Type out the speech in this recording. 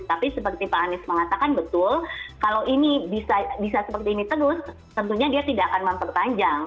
tapi seperti pak anies mengatakan betul kalau ini bisa seperti ini terus tentunya dia tidak akan memperpanjang